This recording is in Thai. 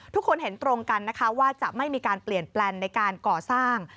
ทุกคนเห็นตรงกันนะคะว่าจะไม่มีการเปลี่ยนแปลงในการก่อสร้าง